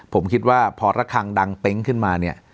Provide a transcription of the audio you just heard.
ผมคิดว่าพอระคังดังเต๊งขึ้นมาเนี่ย